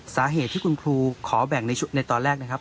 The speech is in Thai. สาเหตุที่คุณครูขอแบ่งในตอนแรกนะครับ